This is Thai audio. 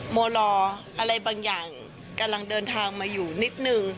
โมรออะไรบางอย่างกำลังเดินทางมาอยู่นิดนึง